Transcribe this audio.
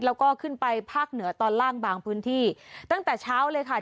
แล้วก็ขึ้นไปภาคเหนือตอนล่างบางพื้นที่ตั้งแต่เช้าเลยค่ะ